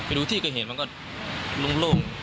ไปดูที่ก็เห็นมันก็โล่ง